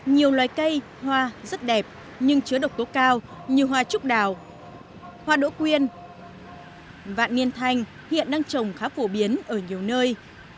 nhiều loài cây hoa rất đẹp nhưng chứa độc tố cao như hoa trúc đào hoa đỗ quyên vạn niên thanh hiện đang trồng khá phổ biến ở nhiều nơi